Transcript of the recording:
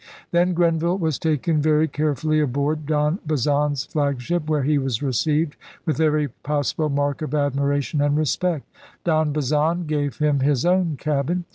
Then Gren villa was taken very carefully aboard Don Bazan's flagship, where he was received with every possible mark of admiration and respect. Don Bazan gave him his own cabin.